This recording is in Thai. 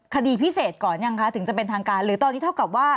คดีพิเศษก่อนยังคะถึงจะเป็นทางการหรือตอนนี้เท่ากับว่า